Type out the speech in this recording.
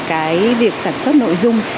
cái việc sản xuất nội dung